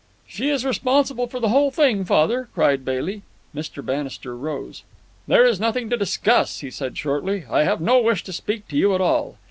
"She is responsible for the whole thing, father," cried Bailey. Mr. Bannister rose. "There is nothing to discuss," he said shortly. "I have no wish to speak to you at all.